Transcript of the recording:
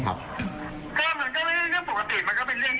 ระดับหนึ่งแต่ปกติก็ร้ายแรงหนึ่ง